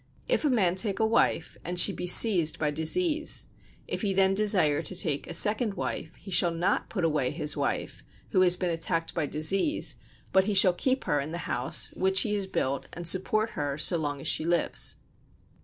If a man take a wife, and she be seized by disease, if he then desire to take a second wife he shall not put away his wife, who has been attacked by disease, but he shall keep her in the house which he has built and support her so long as she lives.